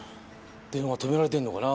電話止められてるのかな？